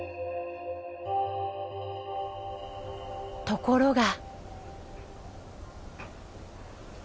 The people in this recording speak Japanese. ところが。